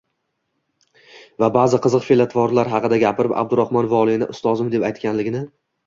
va ba’zi qiziq fe’l-atvorlari xaqida gapirib, Abduraxmon Vodiliyni ustozim deb aytganligini